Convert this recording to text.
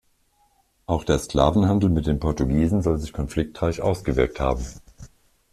Auch der Sklavenhandel mit den Portugiesen soll sich konfliktreich ausgewirkt haben.